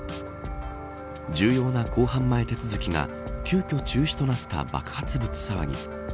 重要な公判前手続きが急きょ中止となった爆発物騒ぎ。